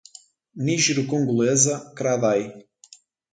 Nigero-congolesa, Kra-Dai